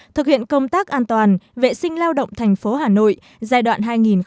thực hiện công tác an toàn vệ sinh lao động thành phố hà nội giai đoạn hai nghìn một mươi tám hai nghìn hai mươi